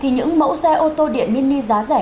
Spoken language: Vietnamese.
những mẫu xe ô tô điện mini giá rẻ